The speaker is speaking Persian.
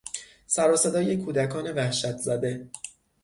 سر و صدای کودکان وحشت زده